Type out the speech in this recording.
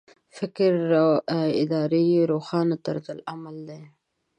فکري رواداري یې روښانه طرز عمل دی.